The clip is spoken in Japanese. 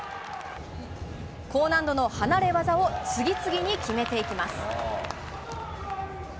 高難度の離れ技を次々に決めていきます。